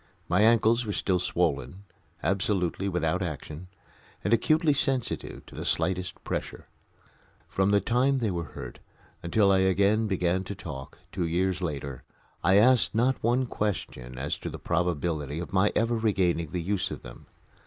My ankles were still swollen, absolutely without action, and acutely sensitive to the slightest pressure. From the time they were hurt until I again began to talk two years later I asked not one question as to the probability of my ever regaining the use of them.